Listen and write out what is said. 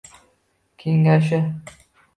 Kengashi